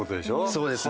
そうですね。